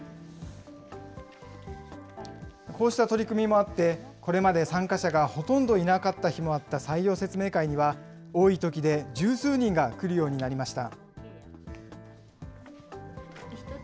こうした取り組みもあって、これまで参加者がほとんどいなかった日もあった採用説明会には、多いときで十数人が来るようになりました。